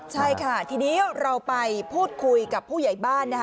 ใช่ค่ะทีนี้เราไปพูดคุยกับผู้ใหญ่บ้านนะคะ